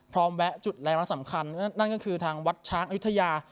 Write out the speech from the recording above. แวะจุดรายละสำคัญนั่นก็คือทางวัดช้างอยุธยา